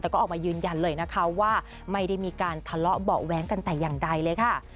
แต่ก็ออกมายืนยันเลยนะคะว่าไม่ได้มีการทะเลาะเบาะแว้งกันแต่อย่างใดเลยค่ะ